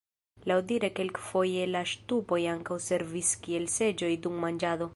Laŭdire kelkfoje la ŝtupoj ankaŭ servis kiel seĝoj dum manĝado.